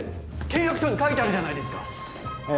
契約書に書いてあるじゃないですかえ